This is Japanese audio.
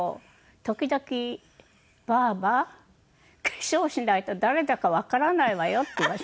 時々「ばあば化粧しないと誰だかわからないわよ」って言います。